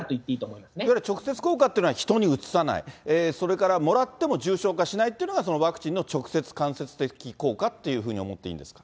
いわゆる直接効果というのは人にうつさない、それからもらっても重症化しないっていうのが、ワクチンの直接、間接的効果っていうふうに思っていいんですか。